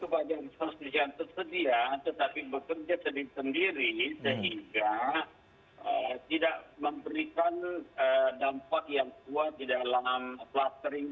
karena begitu banyak resource yang tersedia tetapi bekerja sendiri sendiri sehingga tidak memberikan dampak yang kuat di dalam clustering